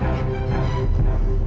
yang sepupu menopang